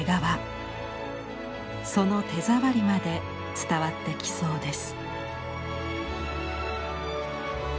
その手触りまで伝わってきそうです。